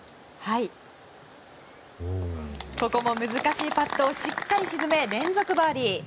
ここも難しいパットをしっかり沈め連続バーディー。